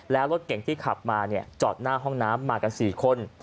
แล้วรถเก่งที่ขับมาจอดหน้าห้องน้ำมากัน๔คน